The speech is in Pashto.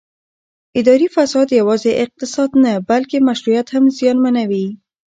اداري فساد یوازې اقتصاد نه بلکې مشروعیت هم زیانمنوي